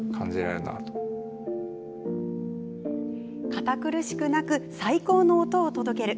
堅苦しくなく最高の音を届ける。